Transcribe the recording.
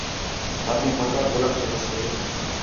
ہر ݙِین٘ہوں پھکر ڳاہلݨ تے واسطے